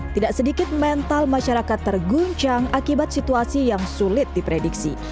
tidak sedikit mental masyarakat terguncang akibat situasi yang sulit diprediksi